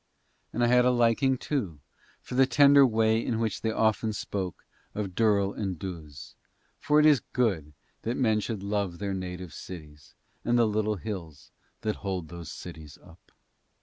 And I had a liking too for the tender way in which they often spoke of Durl and Duz, for it is good that men should love their native cities and the little hills that hold those cities up.